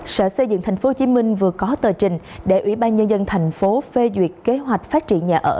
sở xây dựng tp hcm vừa có tờ trình để ủy ban nhân dân thành phố phê duyệt kế hoạch phát triển nhà ở